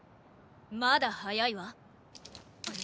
まだ早いわ。